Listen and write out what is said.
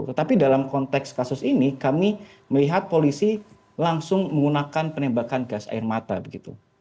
tetapi dalam konteks kasus ini kami melihat polisi langsung menggunakan penembakan gas air mata begitu